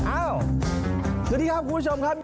สวัสดีครับคุณผู้ชมครับ